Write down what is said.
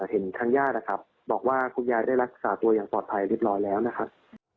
เห็นทางญาตินะครับบอกว่าคุณยายได้รักษาตัวอย่างปลอดภัยเรียบร้อยแล้วนะครับ